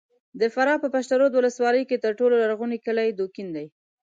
د فراه په پشترود ولسوالۍ کې تر ټولو لرغونی کلی دوکین دی!